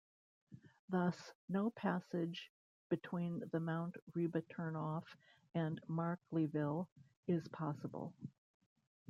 Thus, no passage between the Mount Reba Turnoff and Markleeville is possible.